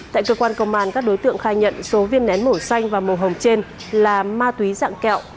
tại cơ quan công an các đối tượng khai nhận số viên nén màu xanh và màu hồng trên là ma túy dạng kẹo